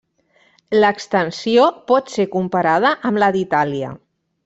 L'extensió pot ser comparada amb la d'Itàlia.